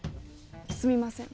すみません。